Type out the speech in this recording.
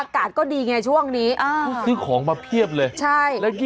แล้วให้ซื้อของมาเต็มเลย